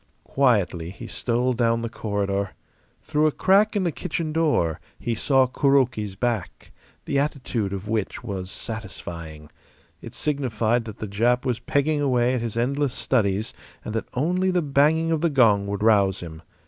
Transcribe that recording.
Quietly he stole down the corridor. Through a crack in the kitchen door he saw Kuroki's back, the attitude of which was satisfying. It signified that the Jap was pegging away at his endless studies and that only the banging of the gong would rouse him.